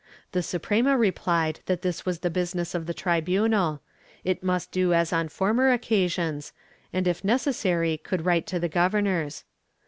The Suprema replied that this was the business of the tribunal; it must do as on former occasions, and if necessary could write to the governors.